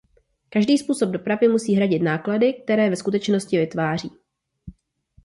Každý způsob dopravy musí hradit náklady, které ve skutečnosti vytváří.